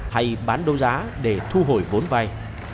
hay bán đô giá để thu hồi vốn vay